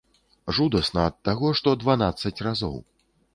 Жудасна ад таго, што дванаццаць разоў.